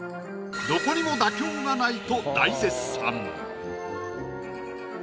どこにも妥協がないと大絶賛。